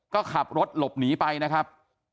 ก็ขับรถหลบหนีไปนะครับ